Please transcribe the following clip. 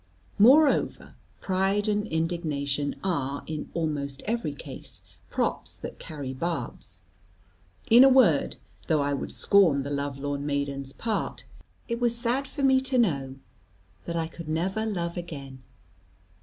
Moreover, pride and indignation are, in almost every case, props that carry barbs. In a word, though I would scorn the love lorn maiden's part, it was sad for me to know that I could never love again.